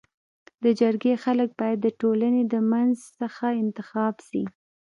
د جرګي خلک بايد د ټولني د منځ څخه انتخاب سي.